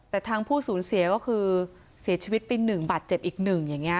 แต่ทางผู้สูญเสียก็คือเสียชีวิตไป๑บาทเจ็บอีกหนึ่งอย่างนี้